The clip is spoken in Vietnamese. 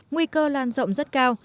nguy cơ lan rộng rất cao